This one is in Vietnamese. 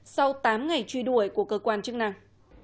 sau tám ngày truy đuổi của cơ quan chức năng